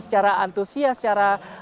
secara antusias secara